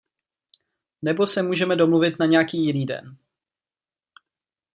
Nebo se můžeme domluvit na nějaký jiný den.